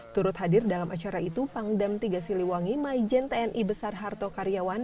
turut hadir dalam acara itu pangdam tiga siliwangi maijen tni besar harto karyawan